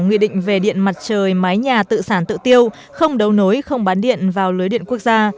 nghị định về điện mặt trời mái nhà tự sản tự tiêu không đấu nối không bán điện vào lưới điện quốc gia